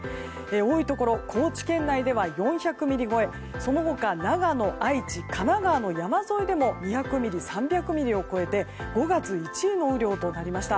多いところで高知県内では４００ミリ超えその他、長野、愛知、神奈川の山沿いでも２００ミリ、３００ミリを超えて５月１位の雨量となりました。